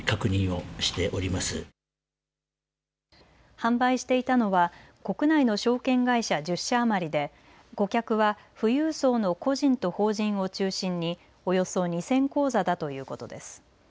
販売していたのは国内の証券会社１０社余りで顧客は富裕層の個人と法人を中心におよそ２０００口座だということです。